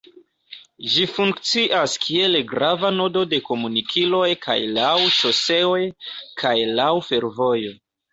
Ĝi funkcias kiel grava nodo de komunikiloj kaj laŭ ŝoseoj kaj laŭ fervojo.